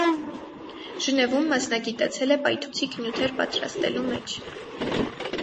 Ժնևում մասնագիտացել է պայթուցիկ նյութեր պատրաստելու մեջ։